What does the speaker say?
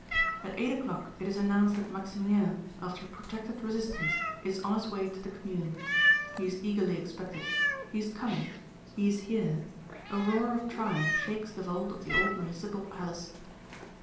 At eight o'clock it is announced that Maximilien, after a protracted resistance, is on his way to the Commune. He is eagerly expected; he is coming; he is here; a roar of triumph shakes the vault of the old Municipal Palace.